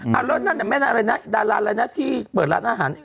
แล้วดาราอะไรนะดาราอะไรนะที่เปิดร้านอาหาร